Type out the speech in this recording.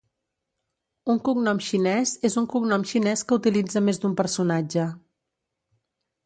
Un cognom xinès és un cognom xinès que utilitza més d'un personatge.